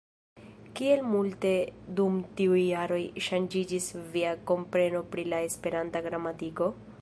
Kiel multe dum tiuj jaroj ŝanĝiĝis via kompreno pri la Esperanta gramatiko?